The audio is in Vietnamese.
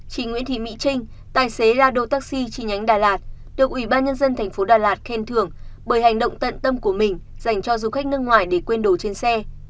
chị nguyễn thị mỹ trinh tài xế rado taxi chi nhánh đà lạt được ủy ban nhân dân thành phố đà lạt khen thưởng bởi hành động tận tâm của mình dành cho du khách nước ngoài để quên đồ trên xe